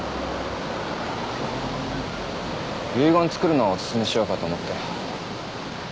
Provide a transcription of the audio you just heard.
遺言つくるのをお薦めしようかと思って。